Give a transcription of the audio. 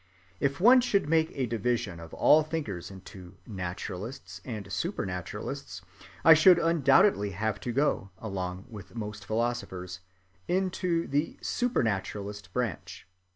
If one should make a division of all thinkers into naturalists and supernaturalists, I should undoubtedly have to go, along with most philosophers, into the supernaturalist branch.